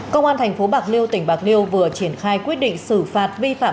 công an thành phố bạc liêu tỉnh bạc liêu vừa triển khai quyết định xử phạt vi phạm